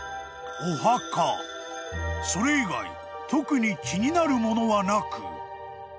［それ以外特に気になるものはなく］